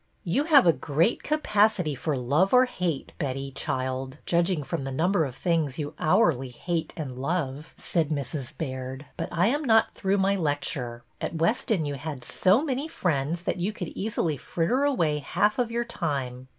'' You have a great capacity for love or hate, Betty, child, judging from the number of things you hourly ' hate ' and ' love,' '' said Mrs. Baird. " But I am not through my lecture. At Weston you had so many friends that you could easily fritter away half of your time.